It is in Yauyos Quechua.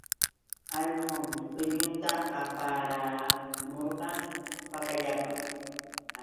Allqun tullata aparamurqa pakallapa.